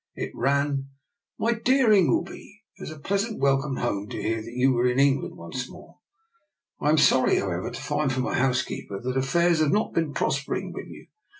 It ran: —" My dear Ingleby: It was a pleasant welcome home to hear that you were in Eng land once more. I am sorry, however, to find from my housekeeper that affairs have not been prospering with you.